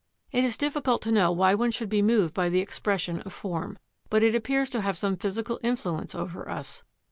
It is difficult to know why one should be moved by the expression of form; but it appears to have some physical influence over us.